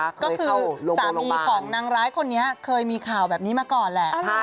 ก็คือสามีของนางร้ายคนนี้เคยมีข่าวแบบนี้มาก่อนแหละ